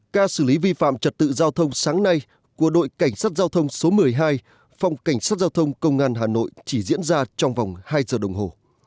ca xử lý vi phạm trật tự giao thông sáng nay của đội cảnh sát giao thông số một mươi hai phòng cảnh sát giao thông công an hà nội chỉ diễn ra trong vòng hai giờ đồng hồ